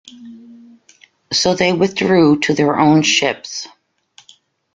So they withdrew to their own ships.